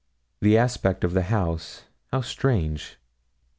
The aspect of the house how strange!